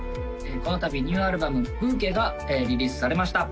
このたびニューアルバム「ｂｏｕｑｕｅｔ」がリリースされました